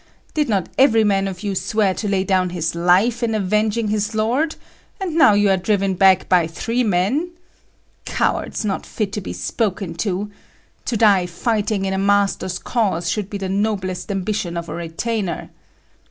did not every man of you swear to lay down his life in avenging his lord, and now are you driven back by three men? Cowards, not fit to be spoken to! to die fighting in a master's cause should be the noblest ambition of a retainer!"